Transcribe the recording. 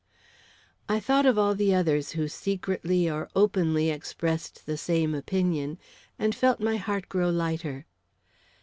I thought of all the others who secretly or openly expressed the same opinion, and felt my heart grow lighter.